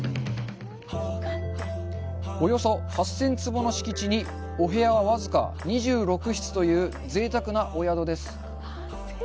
およそ８０００坪の敷地にお部屋は僅か２６室というぜいたくなお宿です。